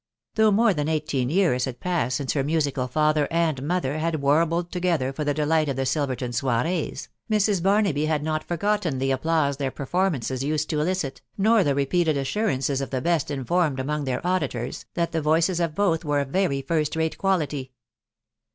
Though more than eighteen years had passed since her musical father and mother had warbled together for the delight of the Silverton soirees, Mrs. Barnaby had not forgotten the applause their performances used to elicit, nor the repeated assurances of the best informed among their auditors, that the voices of both were of very first rate quality.